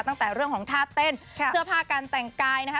ตั้งแต่เรื่องของท่าเต้นเสื้อผ้าการแต่งกายนะคะ